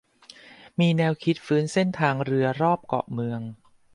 มีแนวคิดฟื้นเส้นทางเรือรอบเกาะเมือง